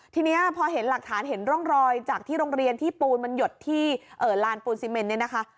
ทีนี้พอเห็นหลักฐานเห็นร่องรอยจากที่โรงเรียนที่ปูนมันหยดที่ลานปูนซีเมนเนี่ยนะคะ